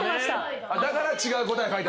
だから違う答え書いたんすね。